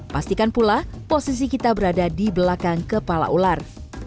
pastikan pula posisi kita berada di belakang kepala ular